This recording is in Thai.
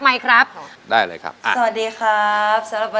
นี่ครับไมค์ครับ